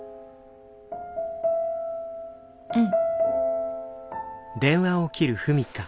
うん。